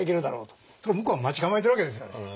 ところが向こうは待ち構えているわけですよね。